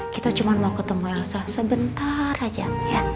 kita cuma mau ketemu elsa sebentar aja